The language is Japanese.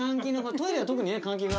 トイレは特に換気が。